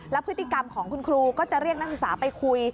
พฤติกรรมของคุณครูก็จะเรียกนักศึกษาไปคุย